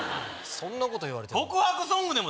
そんなこと言われても。